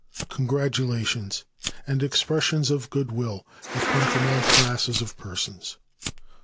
Congratulations and expressions of good will have come from all classes of persons.